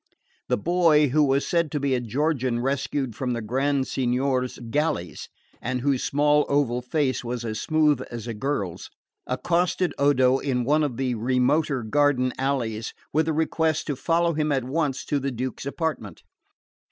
The boy, who was said to be a Georgian rescued from the Grand Signior's galleys, and whose small oval face was as smooth as a girl's, accosted Odo in one of the remoter garden alleys with the request to follow him at once to the Duke's apartment.